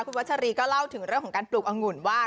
คุณวัชรีก็เล่าถึงเรื่องของการปลูกอังุ่นว่า